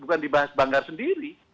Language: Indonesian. banggar pun dibahas banggar sendiri